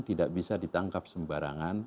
tidak bisa ditangkap sembarangan